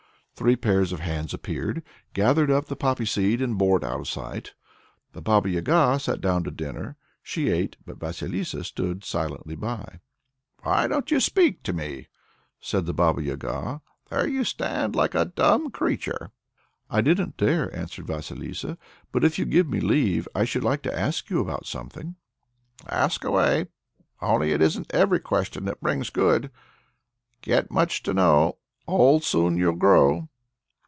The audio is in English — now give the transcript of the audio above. Three pairs of hands appeared, gathered up the poppy seed, and bore it out of sight. The Baba Yaga sat down to dinner. She ate, but Vasilissa stood silently by. "Why don't you speak to me?" said the Baba Yaga; "there you stand like a dumb creature!" "I didn't dare," answered Vasilissa; "but if you give me leave, I should like to ask you about something." "Ask away; only it isn't every question that brings good. 'Get much to know, and old soon you'll grow.'"